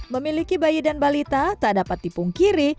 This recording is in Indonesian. memiliki bayi dan balita tak dapat dipungkiri